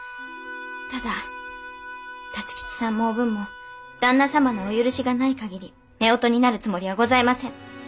ただ辰吉さんもおぶんも旦那様のお許しがないかぎり夫婦になるつもりはございません。